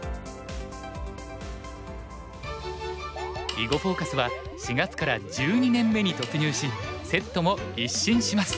「囲碁フォーカス」は４月から１２年目に突入しセットも一新します。